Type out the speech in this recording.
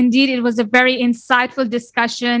memang itu adalah pertemuan yang sangat membutuhkan